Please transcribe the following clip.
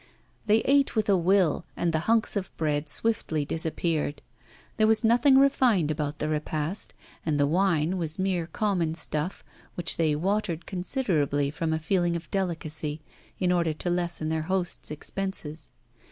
They ate with a will, and the hunks of bread swiftly disappeared. There was nothing refined about the repast, and the wine was mere common stuff, which they watered considerably from a feeling of delicacy, in order to lessen their host's expenses.